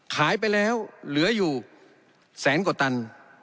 ขายไปแล้วเหลืออยู่แสนกว่าตัน